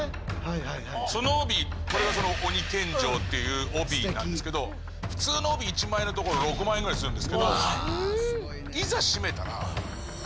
その帯これがその「鬼献上」っていう帯なんですけど普通の帯１万円のところ６万円ぐらいするんですけど。